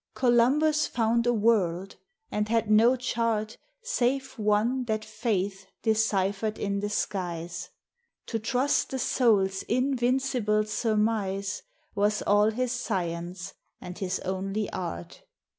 Columbus found a world, and had no chart, Save one that faith deciphered in the skies; To trust the soul's invincible surmise Was all his science and his only art.